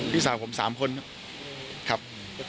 พี่สาวผม๓คนครับ